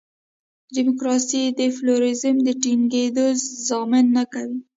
ډیموکراسي د پلورالېزم د ټینګېدو ضامن نه کوي.